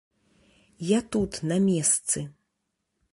Я тут на месцы.